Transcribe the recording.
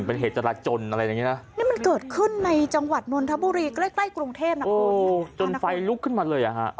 โอ้โหจนไฟลุกขึ้นมาเลยอะค่ะ